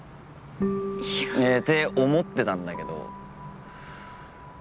いや。って思ってたんだけど。